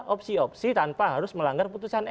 opsi opsi tanpa harus melanggar putusan